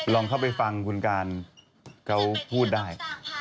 ลองเข้าไปฟังคุณการเขาพูดได้